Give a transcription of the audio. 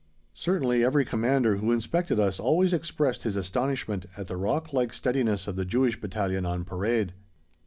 Certainly every Commander who inspected us always expressed his astonishment at the rock like steadiness of the Jewish Battalion on parade.